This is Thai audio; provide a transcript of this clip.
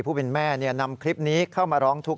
ผู้เป็นแม่นำคลิปนี้เข้ามาร้องทุกข